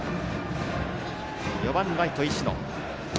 ４番、ライト石野。